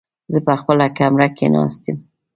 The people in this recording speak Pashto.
زه په خپله کمره کې ناست يم.